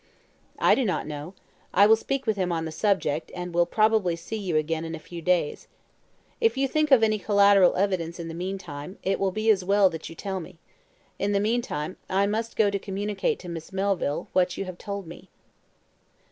"I do not know. I will speak to him on the subject, and will probably see you again in a few days. If you can think of any collateral evidence in the meantime, it will be as well that you tell me. In the meantime, I must go to communicate to Miss Melville what you have told me."